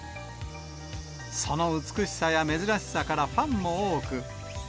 その美しさや珍しさからファンも多く。